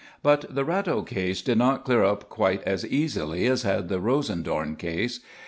But the Ratto case did not clear up quite as easily as had the Rosendorn case.